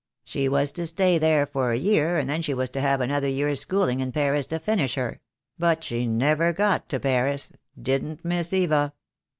She was to stay there for a year, and then she was to have another year's school ing in Paris to finish her; but she never got to Paris, didn't Miss Eva.